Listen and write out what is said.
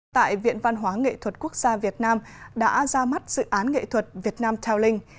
tại viện văn hóa nghệ thuật quốc gia việt nam đã ra mắt dự án nghệ thuật việt nam telling